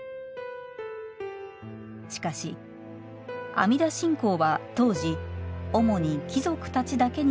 しかし、阿弥陀信仰は当時、主に貴族たちだけに